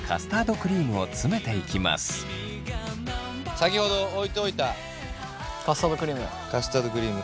先ほど置いといたカスタードクリーム。